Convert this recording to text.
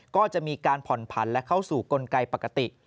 ก็จะมีการผ่อนผันและเข้าสู่กลไกปกติ